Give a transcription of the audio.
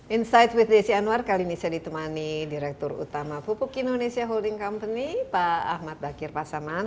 insight with desi anwar kali ini saya ditemani direktur utama pupuk indonesia holding company pak ahmad bakir pasangan